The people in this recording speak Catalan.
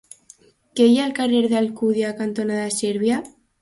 Què hi ha al carrer Alcúdia cantonada Sèrbia?